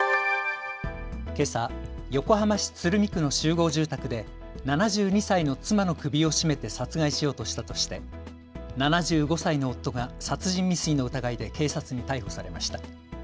けさ横浜市鶴見区の集合住宅で７２歳の妻の首を絞めて殺害しようとしたとして７５歳の夫が殺人未遂の疑いで警察に逮捕されました。